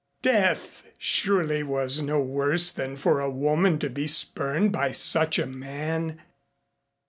Death surely was no worse than for a woman to be spurned by such a man.